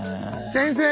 先生。